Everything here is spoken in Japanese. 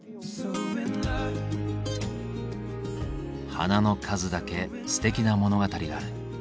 花の数だけすてきな物語がある。